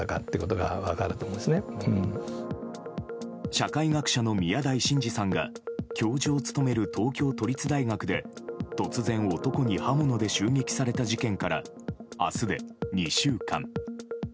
社会学者の宮台真司さんが教授を務める東京都立大学で突然、男に刃物で襲撃された事件から、明日で２週間。